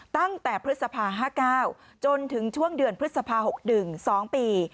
ตั้งแต่พฤษภา๕๙จนถึงช่วงเดือนพฤษภา๖๑๒ปี